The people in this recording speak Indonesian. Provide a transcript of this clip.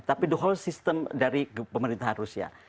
tapi the whole system dari pemerintah rusia